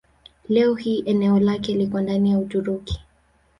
Leo hii eneo lake liko ndani ya Uturuki.